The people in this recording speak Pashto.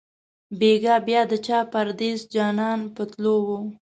بیګا بیا د چا پردېس جانان په تلو وو